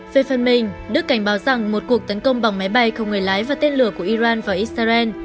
về phần mình đức cảnh báo rằng một cuộc tấn công bằng máy bay không người lái và tên lửa của iran vào israel